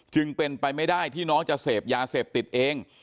จึงเป็นไปไม่ได้ที่น้องจะเสพยาเสพติดเอง